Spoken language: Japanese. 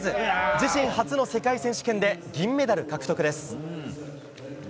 自身初の世界選手権で銀メダル獲得です。